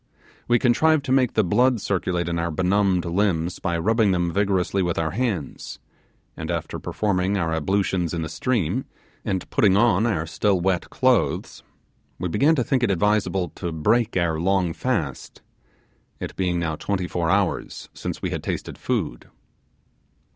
We contrived to make the blood circulate in our benumbed limbs by rubbing them vigorously with our hands; and after performing our ablutions in the stream, and putting on our still wet clothes, we began to think it advisable to break our long fast, it being now twenty four hours since we had tasted food.